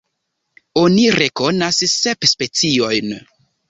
Oni rekonas sep speciojn.